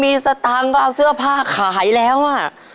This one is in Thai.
มีสตางค์ก็เอาเสื้อผ้าขายแล้วอ่ะ